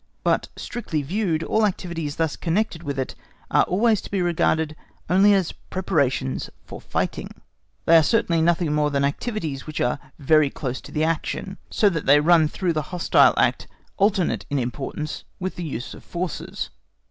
But, strictly viewed, all activities thus connected with it are always to be regarded only as preparations for fighting; they are certainly nothing more than activities which are very close to the action, so that they run through the hostile act alternate in importance with the use of the forces.